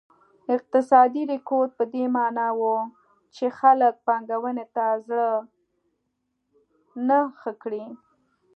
اقتصادي رکود په دې معنا و چې خلک پانګونې ته زړه نه ښه کړي.